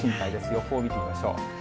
予報を見てみましょう。